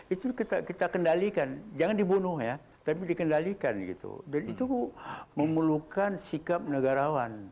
itu kita kendalikan jangan dibunuh ya tapi dikendalikan gitu dan itu memerlukan sikap negarawan